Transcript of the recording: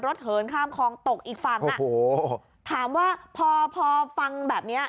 เหินข้ามคลองตกอีกฝั่งอ่ะโอ้โหถามว่าพอพอฟังแบบเนี้ย